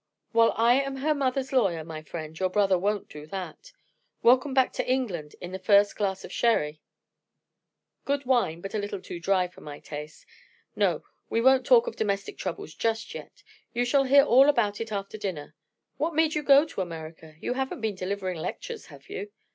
"While I am her mother's lawyer, my friend, your brother won't do that. Welcome back to England in the first glass of sherry; good wine, but a little too dry for my taste. No, we won't talk of domestic troubles just yet. You shall hear all about it after dinner. What made you go to America? You haven't been delivering lectures, have you?"